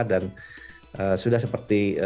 dan sudah seperti